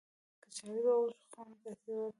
کچالو د غوښو خوند زیاتوي